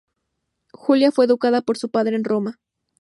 Julia fue educada por su padre en Roma.